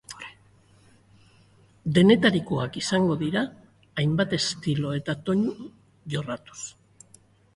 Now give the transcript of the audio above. Denetarikoak izango dira, hainbat estilo eta tonu jorratuz.